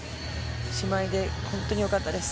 姉妹で、本当に良かったです。